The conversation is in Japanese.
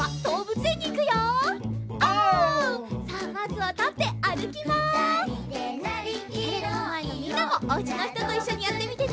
テレビのまえのみんなもおうちのひとといっしょにやってみてね。